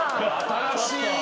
新しい。